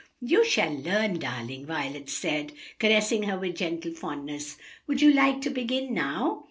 "You shall learn, darling," Violet said, caressing her with gentle fondness. "Would you like to begin now?"